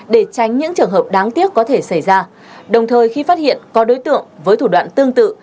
để tránh những trường hợp đáng tiếc có thể xảy ra đồng thời khi phát hiện có đối tượng với thủ đoạn tương tự